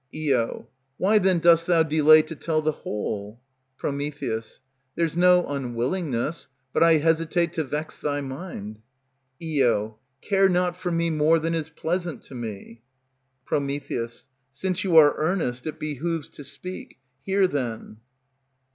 Io. Why, then, dost thou delay to tell the whole? Pr. There's no unwillingness, but I hesitate to vex thy mind. Io. Care not for me more than is pleasant to me. Pr. Since you are earnest, it behooves to speak; hear then.